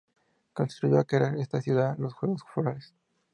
Contribuyó a crear en esta ciudad los "Juegos Florales".